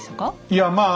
いやまあ